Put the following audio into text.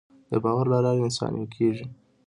د باور له لارې انسانان یو کېږي.